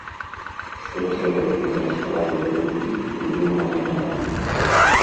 Што трэба прыняць правілы гульні, прыдуманай не намі.